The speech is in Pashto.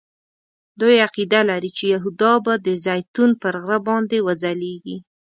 دوی عقیده لري چې یهودا به د زیتون پر غره باندې وځلیږي.